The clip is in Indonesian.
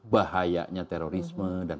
bahayanya terorisme dan